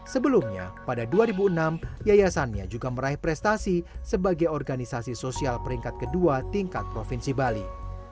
sebelumnya pada dua ribu enam yayasannya juga meraih prestasi sebagai organisasi sosial peringkat kedua tingkat provinsi bali